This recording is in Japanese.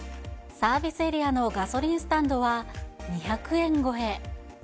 サービスエリアのガソリンスタンドは２００円超え。